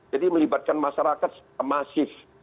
jadi melibatkan masyarakat masif